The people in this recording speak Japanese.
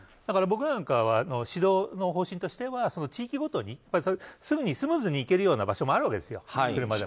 僕なんかは指導の方針としては地方ごとにすぐにスムーズに車で行けるような場所もあるんですよ。